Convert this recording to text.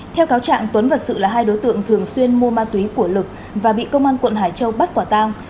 theo cáo trạng tuấn vật sự là hai đối tượng thường xuyên mua ma túy của lực và bị công an quận hải châu bắt quả tang